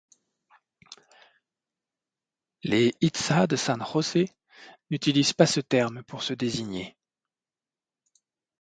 Les Itzá de San José n'utilisent pas ce terme pour se désigner.